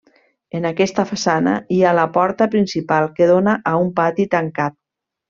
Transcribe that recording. En aquesta façana hi ha la porta principal que dóna a un pati tancat.